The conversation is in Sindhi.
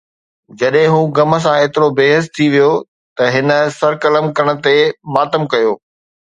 جڏهن هو غم سان ايترو بي حس ٿي ويو ته هن سر قلم ڪرڻ تي ماتم ڪيو